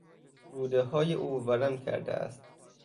رودههای او ورم کرده است.